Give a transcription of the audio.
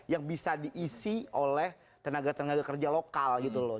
yang bisa diisi oleh tenaga tenaga kerja lokal gitu loh